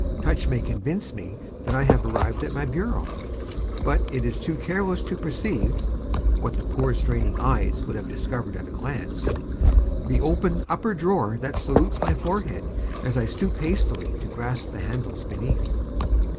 Touch may convince me that I have arrived at my bureau, but it is too careless to perceive (what the poor, straining eyes would have discovered at a glance) the open upper drawer that salutes my forehead as I stoop hastily to grasp the handles beneath.